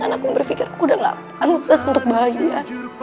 karena aku berpikir aku udah gak pantas untuk bayi ya